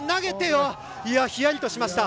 ひやりとしました。